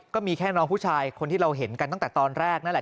ก็มีแค่น้องผู้ชายคนที่เราเห็นกันตั้งแต่ตอนแรกนั่นแหละ